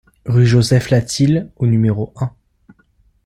Rue Joseph Latil au numéro un